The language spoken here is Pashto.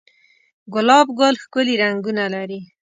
گلاب گل ښکلي رنگونه لري